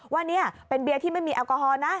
ว่านี่เป็นเบียร์ที่ไม่มีแอลกอฮอล์นะ